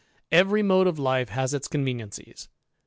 Eveiy mode of life has its conveniencies.